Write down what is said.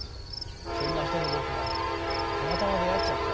そんな人と僕はたまたま出会っちゃったんです。